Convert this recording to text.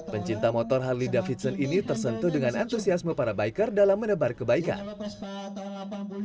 pencinta motor harley davidson ini tersentuh dengan antusiasme para biker dalam menebar kebaikan